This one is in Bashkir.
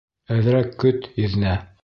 — Әҙерәк көт, еҙнә.